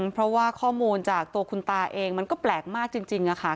เพราะว่าข้อมูลจากตัวคุณตาเองมันก็แปลกมากจริงค่ะ